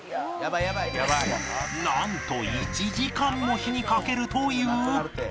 なんと１時間も火にかけるという